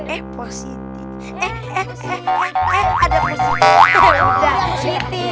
eh positif eh eh eh eh eh ada positif